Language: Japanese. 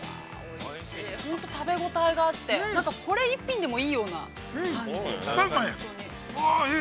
◆本当食べ応えがあって、これ、一品でもいいような感じ、本当に。